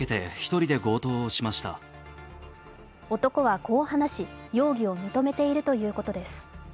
男は、こう話し容疑を認めているということです。